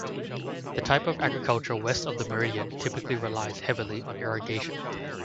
The type of agriculture west of the meridian typically relies heavily on irrigation.